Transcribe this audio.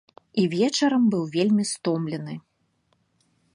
І вечарам быў вельмі стомлены.